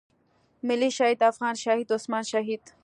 ملي شهيد افغان شهيد عثمان شهيد.